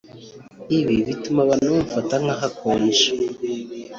ibi bituma abantu bamufata nk’aho akonje